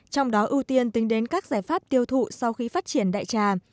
trong đó ưu tiên tính đến các giải pháp tiêu thụ sau khi phát triển đại trà